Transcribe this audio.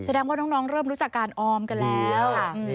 แสดงว่าน้องเริ่มรู้จักการออมกันแล้ว